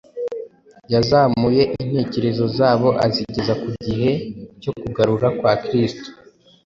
Yazamuye intekerezo zabo azigeza ku gihe cyo kugaruka kwa Kristo,